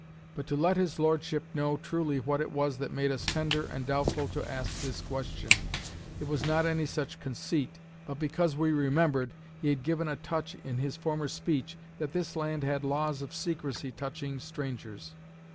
But to let his lordship know truly what it was that made us tender and doubtful to ask this question, it was not any such conceit, but because we remembered, he had given a touch in his former speech, that this land had laws of secrecy touching strangers."